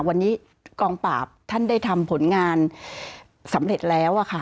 วันนี้กองปราบท่านได้ทำผลงานสำเร็จแล้วค่ะ